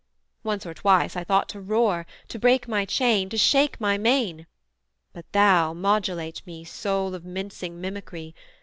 once or twice I thought to roar, To break my chain, to shake my mane: but thou, Modulate me, Soul of mincing mimicry!